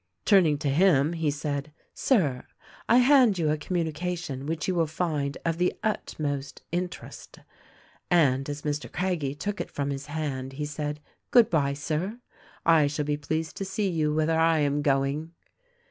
"Turning to him he said, 'Sir, I hand you a communica tion which you will find of the utmost interest;' and as Mr. Craggie took it from his hand he said, 'Good bye, Sir, I shall be pleased to see you whither I am going.'